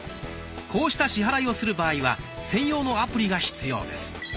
こうした支払いをする場合は専用のアプリが必要です。